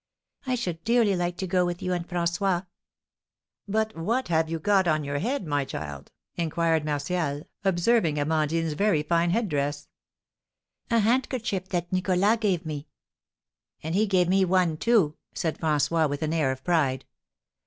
I should dearly like to go with you and François." "But what have you got on your head, my child?" inquired Martial, observing Amandine's very fine head dress. "A handkerchief that Nicholas gave me." "And he gave me one, too," said François, with an air of pride.